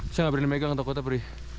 saya nggak berani megang takutnya prih